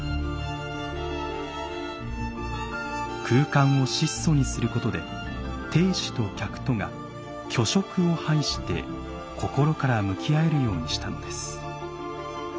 空間を質素にすることで亭主と客とが虚飾を排してこころから向き合えるようにしたのです。